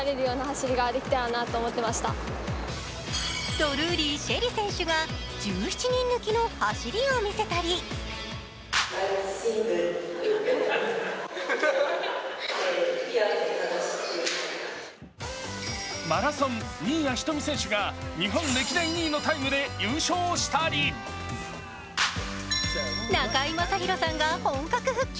ドルーリー朱瑛里選手が１７人抜きの走りを見せたりマラソン、新谷仁美選手が日本歴代２位のタイムで優勝したり中居正広さんが本格復帰！